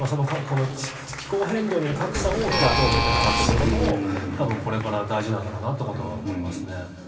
気候変動による格差をどう埋めていくかということも多分これから大事なんだろうなということは思いますね。